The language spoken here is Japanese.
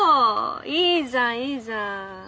いいじゃんいいじゃん。